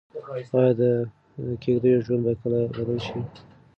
ايا د کيږديو ژوند به کله بدل شي؟